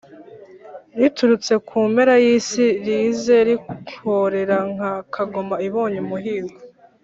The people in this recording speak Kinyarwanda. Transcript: riturutse ku mpera y’isi, rize rihorera nka kagoma ibonye umuhigo,